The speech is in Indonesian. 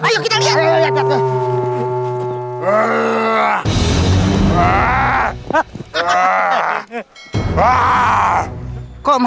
jangan lari kamu